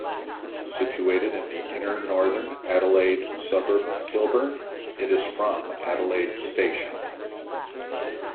Situated in the inner northern Adelaide suburb of Kilburn, it is from Adelaide station.